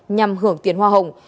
nhằm hưởng tiền hoa hồng